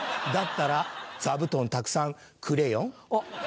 だったら座布団たくさんクレヨン。